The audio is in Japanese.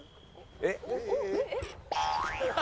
「えっ？」